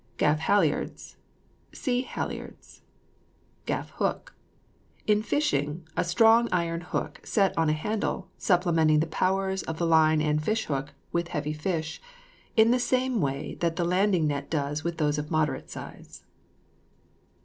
GAFF HALLIARDS. See HALLIARDS. GAFF HOOK. In fishing, a strong iron hook set on a handle, supplementing the powers of the line and fish hook with heavy fish, in the same way that the landing net does with those of moderate size.